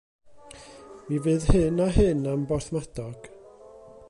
Mi fydd hyn a hyn am Borthmadog.